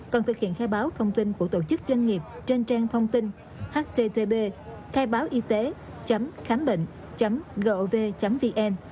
cần thực hiện khai báo thông tin của tổ chức doanh nghiệp trên trang thông tin http khaibaoyt khambinh gov vn